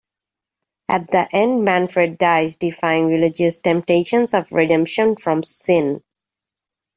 At the end, Manfred dies, defying religious temptations of redemption from sin.